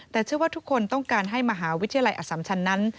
แต่เชื่อว่าทุกคนต้องการให้มหาวิทยาลัยอสัมชันนั้น